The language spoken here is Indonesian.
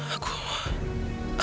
aku mau berjalan ke sana